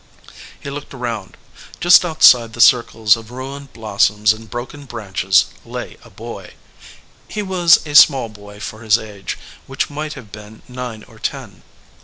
He looked around. Just outside the circles of ruined blossoms and broken branches lay a boy. He was a small boy for his age, which might have been nine or ten.